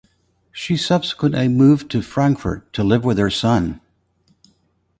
She subsequently moved to Frankfurt to live with her son.